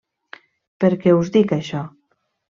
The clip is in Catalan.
Per què us dic això?